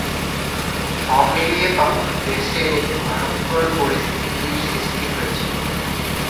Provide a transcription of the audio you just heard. সব মিলিয়ে তখন দেশে এক ভয়ংকর পরিস্থিতির সৃষ্টি হয়েছিল।